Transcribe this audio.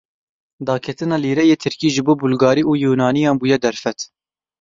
Daketina lîreyê Tirkî ji bo Bulgarî û Yunaniyan bûye derfet.